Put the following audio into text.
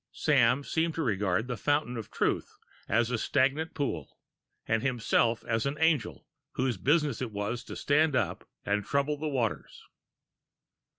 Sam seemed to regard the fountain of truth as a stagnant pool, and himself an angel whose business it was to stand by and trouble the waters.